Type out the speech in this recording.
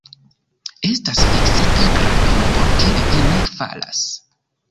Estas fiksita krado, por ke vi ne falas!